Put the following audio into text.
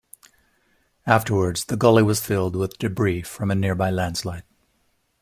Afterwards, the gully was filled with debris from a nearby landslide.